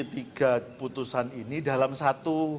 tiga putusan ini dalam satu